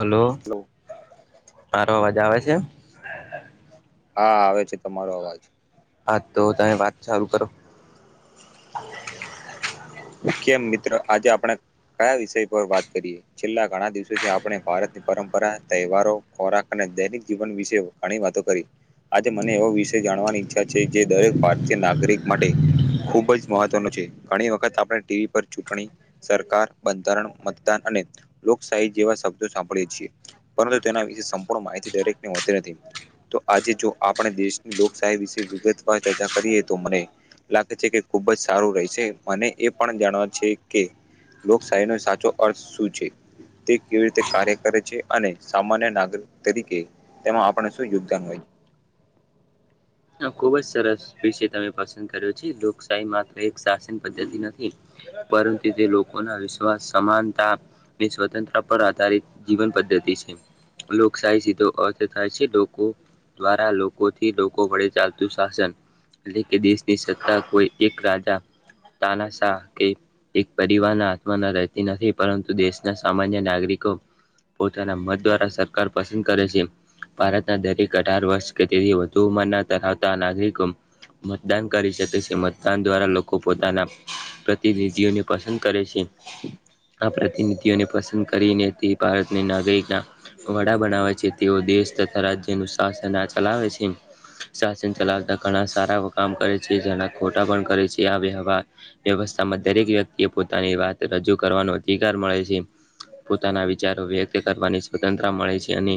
Hello મારો અવાજ આવે છે. હા આવે છે તમારો અવાજ. હા તો તમે વાત ચાલુ કરો. ઓકે મિત્ર આજે આપણે કયા વિષય પર વાત કરીએ છેલ્લા ઘણા દિવસોથી આપણે ભારતની પરંપરા તહેવારો ખોરાક અને દૈનિક જીવન વિશે ઘણી વાતો કરી આજે મને એવો વિષય જાણવાની ઈચ્છા છે જે દરેક ભારતીય નાગરિક માટે ખુબ જ મહત્વનું છે ઘણી વખત આપણે ટીવી પર ચૂંટણી, સરકાર, બંધારણ, મતદાન અને લોકશાહી જેવા શબ્દો સાંભળીએ છીએ પરંતુ તેના વિશે સંપૂર્ણ માહિતી દરેકને હોતી નથી. તો આજે જો આપણે દેશની લોકશાહી વિશે વિગતવાર ચર્ચા કરીએ તો મને લાગે છે કે ખુબ જ સારું રહે છે મને એ પણ જાણવા છે કે લોકશાહીનો સાચો અર્થ શું છે. તે કેવી રીતે કાર્ય કરે છે અને સામાન્ય નાગરિક તરીકે તેમાં આપણે શું યોગદાન હોય છે. [inaudible] ખુબ જ સરસ વિષય તમે પસંદ કર્યો છે લોકશાહી માટે શાસન પદ્ધતિ નથી પરંતુ તે લોકોના વિશ્વાસ સમાનતાની સ્વતંત્ર પર આધારિત જીવન પદ્ધતિ છે. લોકશાહી સીધો અર્થ થાય છે લોકો દ્વારા લોકોથી લોકો વડે ચાલ શાસન એટલે કે દેશની સત્તા કોઈ એક રાજ્ય તાનાશા કે એક પરિવારના હાથમાં રહેતી નથી પરંતુ દેશના સામાન્ય નાગરિકો પોતાના મત દ્વારા સરકાર પસંદ કરે છે. ભારતના દરેક અઢાર વર્ષ તેથી વધુ ઉંમરના તથા બધા નાગરિકો મતદાન કરી શકે છે. મતદાન દ્વારા લોકો પોતાના પ્રતિનિધિઓને પસંદ કરે છે. આ પ્રતિનિધિઓને પસંદ કરીને તે ભારતને નાગરિકના વડા બનાવે છે તેવો દેશ દેશ તથા રાજ્યનું શાસન આ ચલાવે છે. શાસન ચલાવતા ઘણા સારા એવા કામ કરે છે. જેના ખોટા પણ કરે છે આ વ્યવા વ્યવસ્થામાં દરેક વ્યક્તિએ પોતાની વાત રજૂ કરવાનો અધિકાર મળે છે. પોતાના વિચારો વ્યક્ત કરવાની સ્વતંત્રતા મળે છે. અને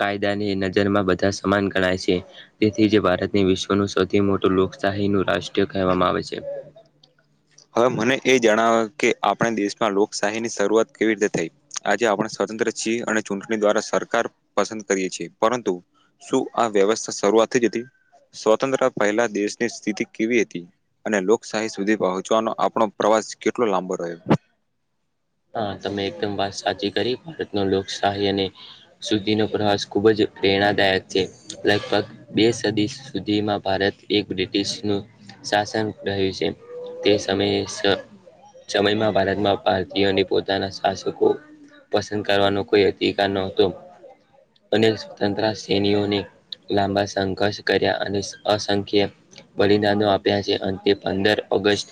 કાયદાની નજરમાં બધા સમાન ગણાય છે તેથી જ ભારતની વિશ્વ એનું સૌથી મોટું લોકશાહીનું રાષ્ટ્ર કહેવામાં આવે છે. હવે મને એ જણાવે કે આપણે દેશમાં લોકશાહીની શરૂઆત કેવી રીતે થઈ આજે આપણે સ્તંત્ર છીએ અને ચૂંટણી દ્વારા સરકાર પસંદ કરીયે છે પરંતુ શું આ વ્યવસ્થા શરૂઆત થ જ હતી. સ્વતંત્ર પહેલા દેશની સ્થિતિ કેવી હતી અને લોકશાહી સુધી પહ ચવાનો આપણો પ્રવાસ કેટલો લાંબો રહ્યો હા તમે એકદમ વાત સાચી કરી ભારત ન લોકશાહી અને શુદ્ધિ નો પ્રવાસ ખુબ જ પ્રેરણાદાયક છે લગભગ બે સદી સુધીમાં ભારત એક બ્રિટિશનુંું શાસન રહ્યું છે તે સમયે સમયમાં ભારતમાં ભારતીયોને પો પો શાસકો પસંદ કરવાનો કોઈ અધિકાર ન હતો અને સ્વતંત્ર સૈનીઓને લાંબા સંઘર્ષ કર્યા અને અસંખ્ય બલિદનોો આપ્યા છે અ તેે પંદર ઓગસ્ટ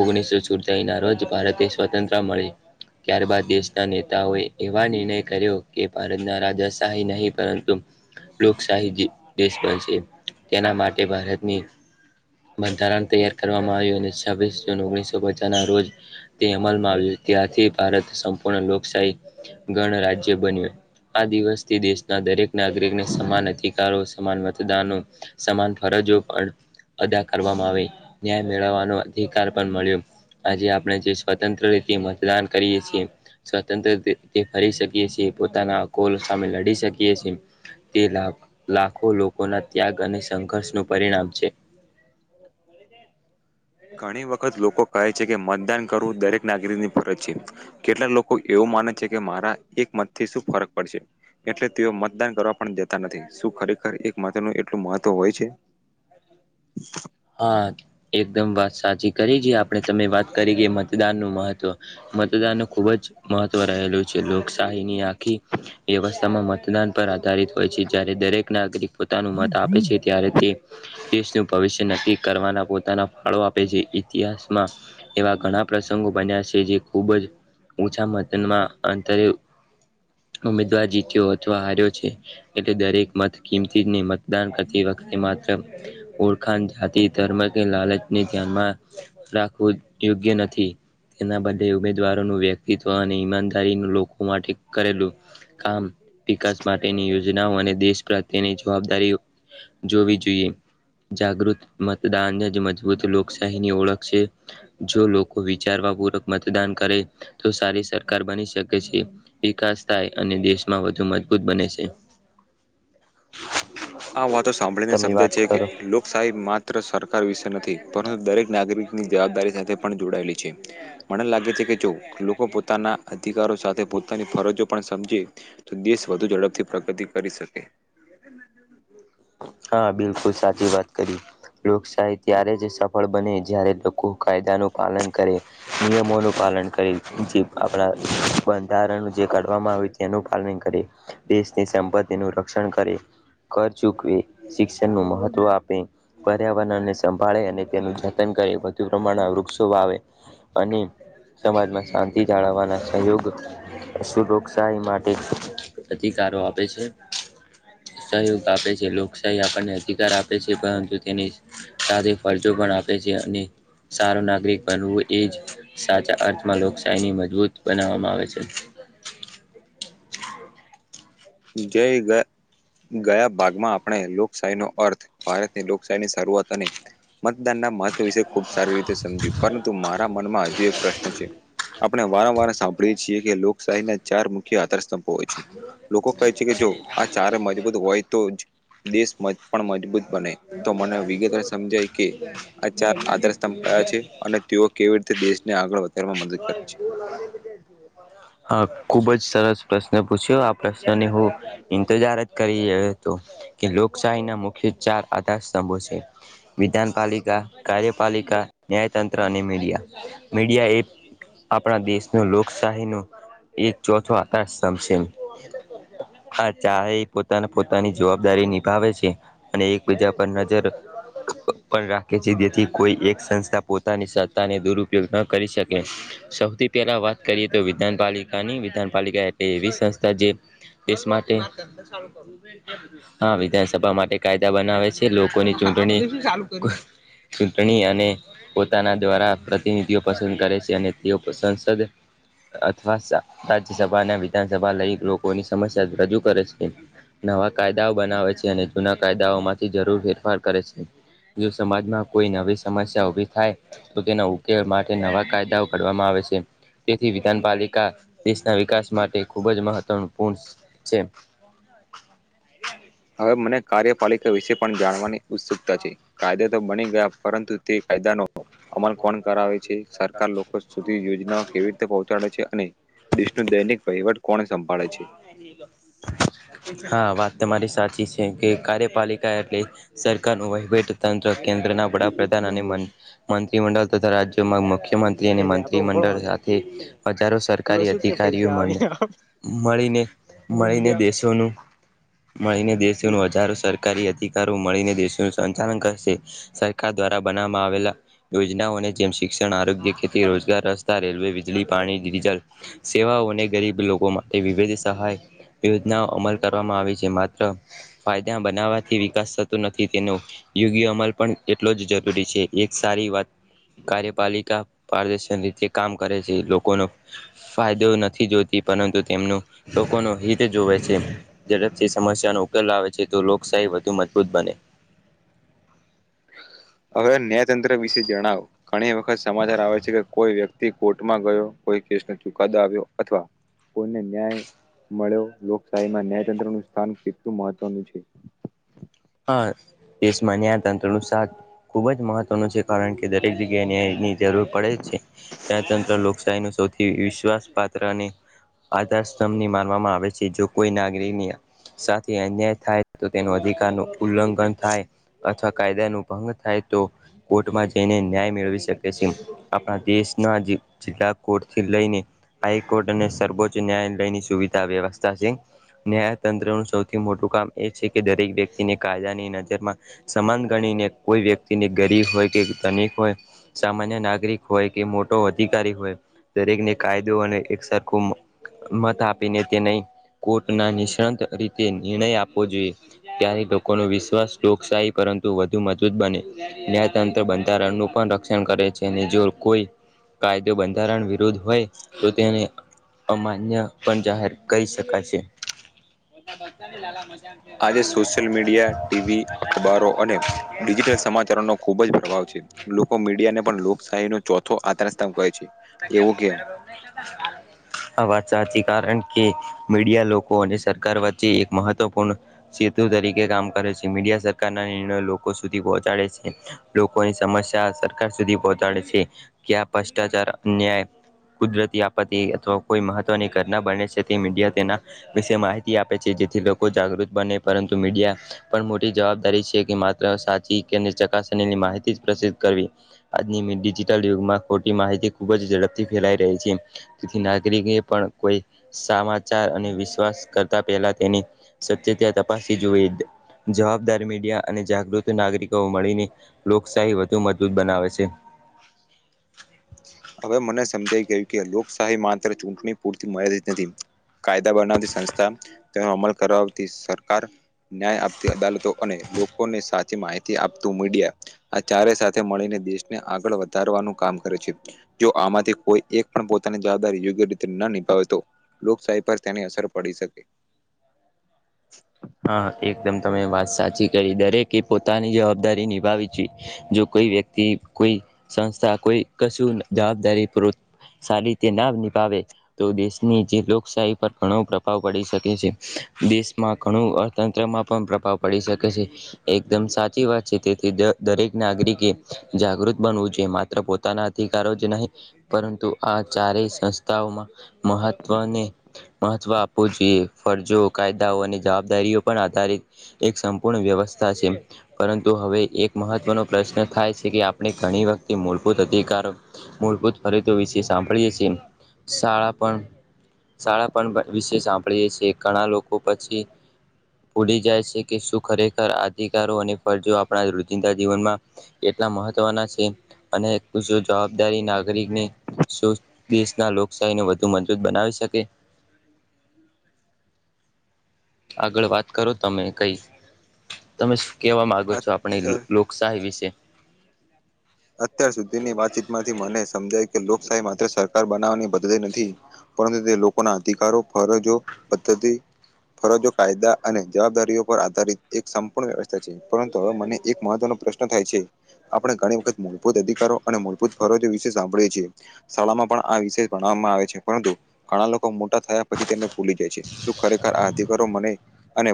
ઓગણીસો ચુતાલી ના રોજ ભારતે સ્વતંત્ર મળી ત્યારબાદ દેશના નેતાઓએ એવા નિર્ણય કર્યો કે ભારતના રાજાશાહી નહીં પરંતુ લોકશાહી દેશ બન છે તેના માટે ભારતની બંધારણ તૈયાર કરવામાં આવ્યું અને છ્વીસ જૂન ઓગણીસો પચા ના રોજ તે અમલમાં ત્યાંથી ભારત સંપૂર્ણ લોકશાહી ગણ રાજ્ય બન્યું આ દિવસથી દેશના દરેક નાગરિકને સમાન અધિકારો સમાન મતદનો સમાન ફરજો પણ અદા કરવામાં આવી ન્યાય મેળવવાનો અધિકાર પણ મળ્યો આજે આપણે જે સ્વતંત્ર રીતે મતદાન કરીએ છીએ સ્વતંત્ર રી ફરી શકે છએ પોતાના કોલ સામે લડી શકીએ છીએ તે લા લાખો લોકોના ત્યાગ અને સંઘર્ષનું પરિણામ છે બ [inaudible] ઘણી વખત લોકો કહે કે મતદાન કરવું દરેક નાગરિકની ફરજ છે કેટલાક લોકો એવું માને છે કે મારા એક મત થી શું ફરક પડશે એટલે તેઓ મતદાન કરવા પણ જેતા નથી શું ખરેખર એક મત ન એટલું મહત્વ હોય છે હા એકદમ વાત સાચી કરી છે આપણે તમે વાત કરી ગઈ મતદાન નું મહત્ત્વ મતદાન ખૂબ જ મહત્વ રહેલું છે લોકશાહીની આખી વ્યવસ્થામાં મતદાન પર આધારિત હોય છે જ્યારે દરેક નાગરિક પોતાનું મત આપે છે ત્યારે તે દેશનું ભવિષ્ય નક્કી કરવાના પોતાના ફાળો આપે છે ઇતિહાસમાં એવા ઘણા પ્રશ્ બન્યા છે જે ખૂબ જ ઓછા મતનમાં અંતરે ઉમેદવાર જીત્યો અથવા હાર્યો છે એટલે દરેક મત કિંમતીને મતદાન કરતી વખતે માત્ર ઓર્ટ જાતિ ધર્મ કે લાલચને ધ્યાનમાં રાખવું યોગ્ય નથી તેના બદલે ઉમેદવારોનું વ્યક્તિત્વ અને ઈમાનદારી લોકો માટે કરેલું કામ વિકાસ માટેની યોજનાઓ અને દેશ પ્રત્યેની જવાબદારીઓ જોવી જોઈએ જાગૃત મતદાન જ મજબૂત લોકશાહીની ઓળખ છે જો લોકો વિચારવા પ પૂક મતદાન કરે તો સારી સરકાર બની શકે છે વિકાસ થાય અને દેશમાં વધુ મજબૂત બને છે આ વાતો સાંભળીને તમે સમજે વાત છે કે કરો ા માત્ર સરકાર વિશે નથી પરંતુ દરેક નાગરિક ની જવાબદારી સાથે પણ જોડાયેલી છે મને લાગે છે કે જો લોકો પોતાના અધિકારો સાથે પોતાની ફરજો પણ સમજે તો દેશ વધુ ઝડપથી પ્રગતિ કરી શકે હા બિલકુલ સાચી વાત કરી લોકશાહી ત્યારે જ સફળ બને જ્યારે લોકો કાયદાનું પાલન કરે નિયમોનું પાન પાલન કરી આપણા બંધારણ જે કાવામાં આવે તેનું પાલન કરે દેશની સંપ તેનું રક્ષણ કરે કર ચૂકવે શિક્ષણ નું મહત્વ આપે પર્યાવરણને સંભાળે અને તેનું જતન કરે વધુ પ્રમાણ વૃક્ષો વાવે અને સમાજમાં શાંતિ જાળવવાના સહયોગ શું ડોકશાહી માટે અધિકારો આપે છે. સહયોગ શિકાર આપે છે પરંતુ તેની સાથે ફરજો પણ આપે છે અને સારો નાગરિક બનવું એ જ સાચા અર્થમાં લોકશાહીની મજબૂત બનાવવામાં આવે છે. જય ગ ગયા ભાગમાં આપણે લોકશાહી નો અર્થ ભારતની લોકશાહીની શરૂઆત અને મતદાનના મત વિશે ખુબ સારી રીતે સમજ્યું પરંતુ મારા મનમાં હજુ એક પ્રશ્ન છે આપણે વારંવાર સાંભળીએ છીએ કે લોકશાહી ના ચાર મુખ્ય આધારસ્તંભો હોય છે લોકો કહે છે કે જો આ ચારે મજબૂત હોય તો જ દેશ મજ પણ મજબૂત બને તો મને વિગતવાર સમજાય કે આ ચાર આધાર સ્તંભ કયા છે અને તેઓ કેવી રી તે દેશને આગળ વધારવામાં મદદ કરે છે. હા ખુબ જ સરસ પ્રશ્ન પૂછ્યો. આ પ્રશ્નની હું ઈંતજાર જ કરી રહી તો. કે લોકશાહી ના મુખ્ય ચાર આધાર સ્તંભો છે. વિધાનપાલિકા કાર્યપાલિકા ન્યાયતંત્ર અને મીડિયા. મીડિયા એ આપણા દેશનો લોકશાહી નો એક ચોથો આકાશ સંભ સેમ હા ચા એ પોતાના પોતાની જવાબદારી નિભાવે છે અને એક બીજા પર નજર રખ પણ રાખે છે જેથી કોઈ એક સંસ્થા પોતાની સત્તાને દુરપયોગ ન કરી શકે. સૌથી પહેલા વાત કરીએ તો વિધાનપાલિકાની વિધાનપાલિકા તે એવી સંસ્થા જે દેશ માટે, હા વિધાનસભા માટે ટા બનાવે છે લોકોની ચૂંટણી ચૂંટણી અને પોતાના દ્વારા પ્રતિનિધિઓ પસંદ કરે છે અને તેઓ સંસદ અથવા સા રાજ્યસભા અને વિધાનસભા લઈ લોકોની સમસ્યા રજૂ કરે છે. નવા કાયદાઓ બનાવે છે અને જૂના કાયદાઓ માંથી જરૂર ફેરફાર કરે છે જો સમાજમાં કોઈ નવી સમસ્યા ઉભી થાય તો તેના ઉ કે માટે નવા કાયદાઓ કરવામાં આવે છે. તેથી વિધાનપાલિકા દેશ ના વિકાસ માટે ખૂબ જ મહત્વ પૂણ છે. હવે મને કાર્યપાલિકા વિશે પણ જાણવાની ઉત્સુકતા છે. કાયદા તો બની ગયા પરંતુ તે કાયદાનો અમલ કોણ કરાવે છે. સરકાર લોકો સુધી યોજનાઓ કેવી રીતે પહોંચાડે છે અને દેશનું દૈનિક વહીવટ કોણ સંભાળે છે હા વાત તમારી સાચી છે કે કાર્યપાલિકા એટલે સરકારનું વહીવટી તંત્ર કેન્દ્રના વડાપ્રધાન અને મં-મંત્રીમંડળ તથા રાજ્યોમાં મુખ્ય યમંત્રી અને મંત્રીમંડળ સાથે હજારો સરકારી કારિયોમને મળીને મળીને દેશોનું મળીને દેશ નો હજારો સરકારી અધિકારો મળીને દેશો સંચાલન કરશે સરકાર દ્વારા બનાવવામાં આવેલા યોજનાઓને જેમ શિક્ષણ આરોગ્ય, ખેતી, રોજગાર, રસ્તા, રેલવે, વીજળી, પાણી, ડીઝલ સેવાઓને ગરીબ લોકો માટે વિવિધ સહાય યોજનાઓ અમલ કરવામાં આવી છે માત્ર ફાયદા બનાવવાથી વિકાસ થતો નથી તેનો યોગ્ય અમલ પણ એટલો જ જરૂરી છે એક સારી વાત કાર્યપાલિકા પાદર્શન રીતે કામ કરે છે લોકોનો ફાયદો નથી જોતી પરંતુ તેમનું લોકો નો હિત જોવે છે. ઝડપથી સમસ્યા નો કર લાવે છે તો લોકશાહી વધુ મજબૂત બને. હવે ન્યાયતંત્ર વિશે જણાવો. ઘણી વખત સમાચાર આવે છે કે કોઈ વ્યક્તિ કોર્ટમાં ગયો કોઈ કેસ ને ચુકાદો આવ્યો અથવા કોઈને ન્યાય મળ્યો લોકશાહીમાં ન્યાયતંત્ર નું સ્થાન કેટલું મહત્વનું છે. હા દેશમાં ન્યાય તંત્ર નું સાત ખુબ જ મહત્વનું છે, કારણ કે દરેક જગ્યાએ ન્યાય ની જરૂર પડે છે ત્યા તંત્ર લોકશાહી ન સૌથી વિશ્વાસ પાત્ર અને આધાર સ્તંભની માનવામાં આવે છે જો કોઈ નાગરિકની સાથે અન્યાય થાય તો તેનો અધિકાર ન ઉલ્લંઘન થાય અથવા કાયદા ન ભંગ થાય તો કોર્ટમાં જઈને ન્યાય મેળવી શકે છે આપણા દેશના જિલ્લા કોર્ટથી લઈને હાઈકોર્ટ અને સર્વોચ્ચ ન્યાયાલય સુવિધા વ્યવસ્થા છે ન્યાયતંત્ર નું સૌથી મોટું કામ એ છે કે દરેક વ્યક્તિને કાયદાની નજરમાં સમાન ગણીને કોઈ વ્યક્તિને ગરીબ હોય કે ધનિક હોય સમાન નાગરિક હોય કે મોટો અધિકારી હોય દરેકને કાયદો અને સરખો મત આપીને તે ન કોર્ટ ના નિષ્ણાંત રીતે નિર્ણય આપવો જોઈએ ત્યારે નો વિશ્વાસ લોકશાહી પરંતુ વધુ મજબૂત બને ન્યાયતંત્ર બંધાર રણનું પણ રક્ષણ કરે જો કોઈ કાયદો બંધારણ વિરુદ્ધ હોય તો તેને અમાન્ય પણ જાહેર કરી શકાય છે. આજે સોશિયલ મીડિયા, ટીવી અખબારો અને ડિજિટલ સમાચારો નો ખૂબ જ પ્રભાવ છે લોકો મીડિયાને પણ લોકશાહી નો ચોથો આધાર સ્થાન કહે છે. એવું કેમ? [unintelligible] આ વાત સાચી કારણ કે મીડિયા લોકો અને સરકાર વચ્ચે એક મહત્વપૂર્ણ સે--તુ તરીકે કામ કરે છે મીડિયા સરકારના નિર્ણયો લોકો સુધી પહોંચાડે છે લોકોની સમસ્યા સર સર સુધી પહોંચાડે છે કે્યાં ભ્રષ્ટાચાર ન્યા કુદરતી આપત્તિ અથવા કોઈ મહત્વની ઘટના બને મીડિયા તેના વિશે માહિતી આપે છે જેથી લોકો જાગૃત બને પરંતુ મીડિયા પણ મોટી જવાબદારી છે કે માત્ર સાચી કે ચકાસણી માહિતી જ પ્રસિદ્ધ કરવી આજની ડિજિટલ યુગમાં ખોટી માહિતી ખૂબ જ ઝડપથી ફેલાઈ રહેહી છે તેથી નાગરિક એ પણ કોઈ સમાચાર અને વિશ્વાસ કરતા પહેલા તેની સત્ય ત્યા તપાસી જોઈ જવાબદાર મીડિયા અને જાગૃત નાગરિકો મળીને લોકશાહી વધુ મજબૂત બનાવે છે. [inaudible] હવે મને સમજાઈ ગયું કે લોકશાહી માત્ર ચૂંટણી પૂરતી મ્યાદિત નથી. કાયદા બનાવતી સંસ્થા તેનો અમલ કરાવતી સરકાર ન્યાય આપતી અદાલતો અને લોકોને સાચી માહિતી આપતું મીડિયા આ ચારે મળીને દેશને આગળ વધારવાનું કામ કરે છે જો આમાંથી કોઈ એક પણ પોતાની જવાબદારી યુત ન નિભાવે તો લોકશાહી પર તેની અસર પડી શકે. [inaudible] હા એકદમ તમે વાત સાચી કરી દરેકે એ પોતાની જવાબદારી નિભાવી છે જો કોઈ વ્યક્તિ કોઈ સંસ્થા કોઈ કશું જવાબદારીૂ પુર્વક સારી રીતે ના નિભાવે તો દેશની જે લોકશાહી પર ઘણો પ્રભાવ પડી શકે છે. દેશમાં ઘણું અર્થતંત્રમાં પણ પ્રભાવ પડી શકે છે એકદમ સાચી વાત છે તેથી દરેકને નાગરિક તરિ ખે જાગૃત બનવું જો માત્ર પોતાના અધિકારો જ નહી પરંતુ આ ચારે સંસ્થાઓમાં મહત્વને મહત્વ આપવું જોઈએ ફરજો કાયદાઓ અને જવાબદારીઓ પણ આધારિત એક સંપૂર્ણ વ્યવસ્થા છે પરંતુ હવે એક મહત્વનો પ્રશ્ન પ્રશ્ થાય છે કે આપણે ઘણી વખતે મૂળભૂત અધિકાર મૂળભૂત ફરીદ વિશે સાંભળીએ છીએ શાળા પણ શાળા પણ વિશે સાંભળીએ છીએ ઘણા લોકો પછી ઉડી જાય છે કે શું ખરેખર અધિકારો અને ફરજો આપણા રુજિંદા જીવનમાં કેટલા મહત્વના છે અને જવાબદારી નાગરિકને શુ દેશના લોકશાહીને વધુ મજબૂત બનાવી શકે? આગળ વાત કરો તમે કઈ તમે કેવા મામાંગો છો આપણી અત્યાર લોકશાહી વિશે? અત્યાર સુધી ની વાતચીત માંથી મને સમજાય કે લોકશાહી માત્ર સરકાર બનાવવાની [unintelligible] નથી પરંતુ તે લોકોના અધિકારો, ફરજો જો થી ફરજો, કાયદા અને જવાબદારીઓ પર આધારિત એક સંપૂર્ણ વ્યવસ્થા છે. પરંતુ હવે મને એક મહત્વનો પ્રશ્ન થાય છે આપણે ઘણી વખત મૂળભૂત અધિકારો અને મૂળભૂત ફરજો વિશે સાંભળે છે. શાળામાં પણ આ વિશે ભણવામાં આવે છે પરંતુ ઘણા લોકો મોટા થયા પછી તેને ભૂલી જાય છે. શું ખરેખર આ અધિકારો મને અને